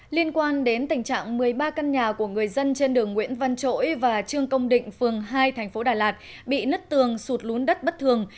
liên quan đến tình trạng một mươi ba căn nhà của người dân trên đường nguyễn văn trỗi và trương công định phường hai thành phố đà lạt bị nứt tường sụt lún đất bất thường